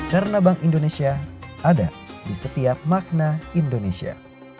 karena bank indonesia ada di setiap makna indonesia